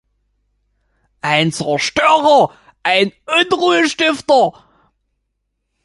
Einen Zerstörer, einen Unruhestifter?